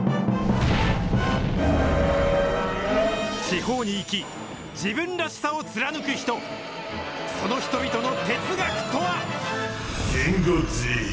地方に生き、自分らしさを貫く人、その人々の哲学とは。